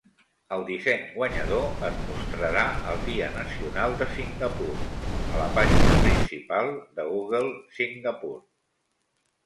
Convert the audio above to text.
El disseny guanyador es mostrarà el Dia Nacional de Singapur, a la pàgina principal de Google Singapur.